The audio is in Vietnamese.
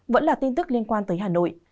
vẫn là tin tức liên quan tới hà nội